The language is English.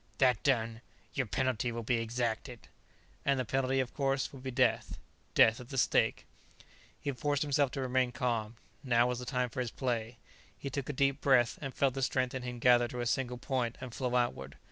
That done, your penalty will be exacted." And the penalty, of course, would be death death at the stake. He forced himself to remain calm. Now was the time for his play. He took a deep breath and felt the strength in him gather to a single point and flow outward.